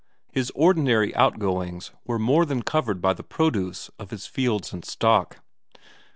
His ordinary outgoings were more than covered by the produce of his fields and stock.